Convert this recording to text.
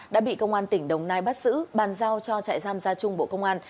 đã bị công an tỉnh đồng nai bắt giữ bàn giao cho trại giam gia trung bộ công an